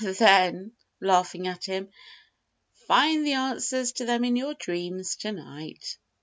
"Then," laughing at him, "find the answers to them in your dreams to night."